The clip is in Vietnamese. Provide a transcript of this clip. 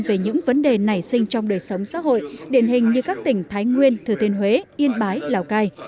về những vấn đề nảy sinh trong đời sống xã hội điển hình như các tỉnh thái nguyên thừa thiên huế yên bái lào cai